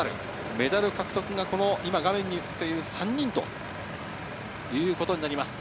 メダル獲得が今、この画面に映っている３人ということになります。